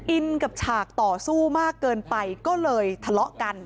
อินกับฉากต่อสู้มากเกินไปก็เลยทะเลาะกัน